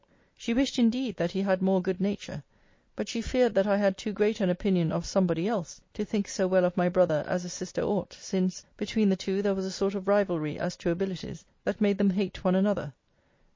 She wished, indeed, that he had more good nature: but she feared that I had too great an opinion of somebody else, to think so well of my brother as a sister ought: since, between the two, there was a sort of rivalry, as to abilities, that made them hate one another.